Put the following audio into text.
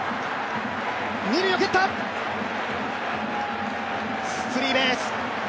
二塁を蹴った、スリーベース。